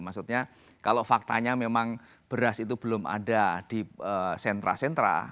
maksudnya kalau faktanya memang beras itu belum ada di sentra sentra